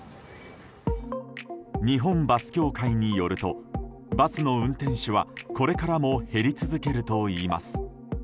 日本バス協会によるとバスの運転手はこれからも減り続けるといいます。